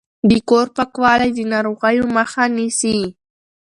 د کور پاکوالی د ناروغیو مخه نیسي۔